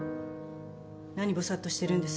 何ボサッとしてるんです。